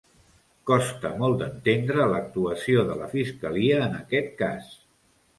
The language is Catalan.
Costa molt d'entendre l'actuació de la fiscalia en aquest cas